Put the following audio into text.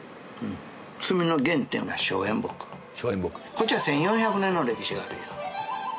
こっちは１４００年の歴史があるよ